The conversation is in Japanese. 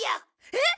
えっ？